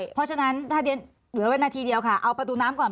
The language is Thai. เพราะฉะนั้นถ้าเดี๋ยวเหลือวินาทีเดียวค่ะเอาประตูน้ำก่อน